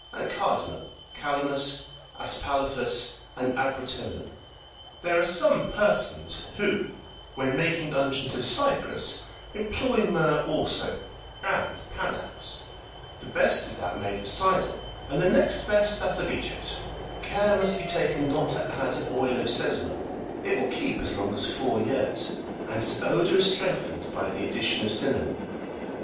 and cardamum, calamus, aspalathus,52 and abrotonum. There are some persons who, when making unguent of Cyprus, em ploy myrrh also, and panax : 53 the best is that made at Sidon, and the next best that of Egypt : care must be taken not to add oil of sesamum : it will keep as long as four years, and its odour is strengthened by the addition of cinnamon.